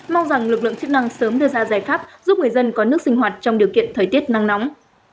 mong rằng lực lượng chức năng sớm đưa ra giải pháp giúp người dân có nước sinh hoạt trong điều kiện thời tiết nắng nóng